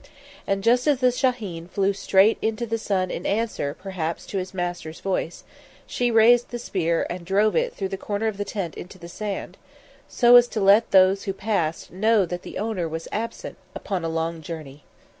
And just as the shahin flew straight to the sun in answer, perhaps, to his master's voice, she raised the spear and drove it through the corner of the tent into the sand, so as to let those who passed know that the owner was absent upon a long journey.